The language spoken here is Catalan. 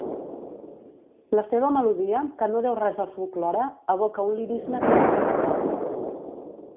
La seva melodia, que no deu res al folklore, evoca un lirisme típicament nòrdic.